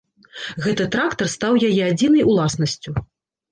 Гэты трактар стаў яе адзінай уласнасцю.